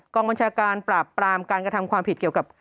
กองบัญชาการปราบปรามการกระทำความผิดเกี่ยวกับ